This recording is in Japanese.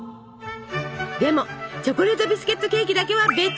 でもチョコレートビスケットケーキだけは別！